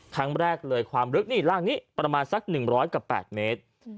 ครั้งแรกเลยความลึกนี่ร่างนี้ประมาณสัก๑๐๐กับ๘เมตร